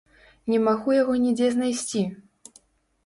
Не магу яго нідзе знайсці!